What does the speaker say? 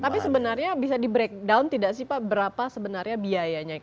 tapi sebenarnya bisa di breakdown tidak sih pak berapa sebenarnya biayanya